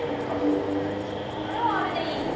あれはあれでいいじゃん。